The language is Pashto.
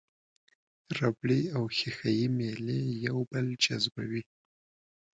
ربړي او ښيښه یي میلې یو بل جذبوي.